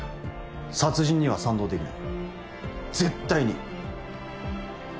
殺人には賛同できない絶対に！